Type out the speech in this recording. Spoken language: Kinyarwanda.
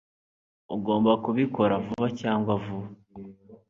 Ugomba kubikora vuba cyangwa vuba